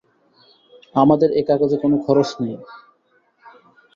আমাদের এ কাগজে কোনো খরচ নেই।